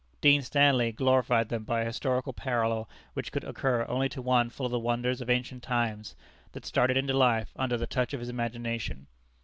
Dean Stanley glorified them by a historical parallel which could occur only to one full of the wonders of ancient times, that started into life under the touch of his imagination.